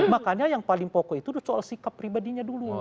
makanya yang paling pokok itu soal sikap pribadinya dulu